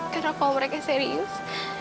karena kalau mereka serius